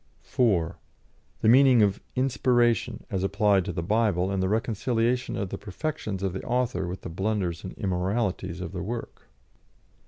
(4) The meaning of "inspiration" as applied to the Bible, and the reconciliation of the perfections of the author with the blunders and immoralities of the work.